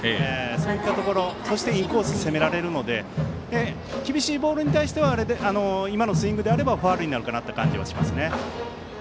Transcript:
そういったところインコース攻められるので厳しいボールに対しては今のスイングであればファウルになるかなという感じがしますね。